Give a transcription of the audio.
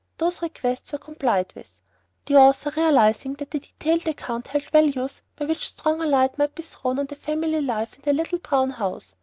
Those requests were complied with; the author realising that the detailed account held values, by which stronger light might be thrown on the family life in the "little brown house."